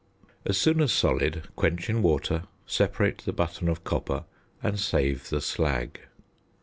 As soon as solid, quench in water, separate the button of copper, and save the slag.